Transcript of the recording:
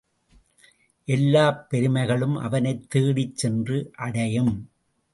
எல்லாப் பெருமைகளும் அவனைத் தேடிச் சென்று அடையும்.